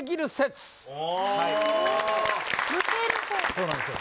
そうなんですよ